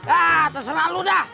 ah terserah lo dah